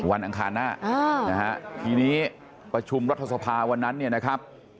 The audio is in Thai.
อังคารหน้านะฮะทีนี้ประชุมรัฐสภาวันนั้นเนี่ยนะครับ